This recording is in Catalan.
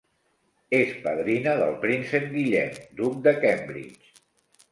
És padrina del príncep Guillem, duc de Cambridge.